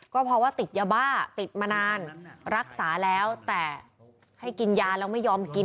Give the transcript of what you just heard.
ก็เพราะว่าติดยาบ้าติดมานานรักษาแล้วแต่ให้กินยาแล้วไม่ยอมกิน